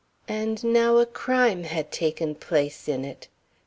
And now a crime had taken place in it!